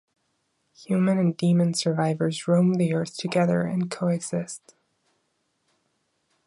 Human and demon survivors roam the Earth together and co-exist.